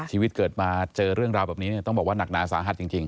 ชีวิตเกิดมาเจอเรื่องราวแบบนี้ต้องบอกว่าหนักหนาสาหัสจริง